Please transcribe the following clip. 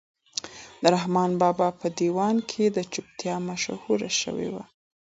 د رحمان بابا په دیوان کې د چوپتیا مشوره شوې وه.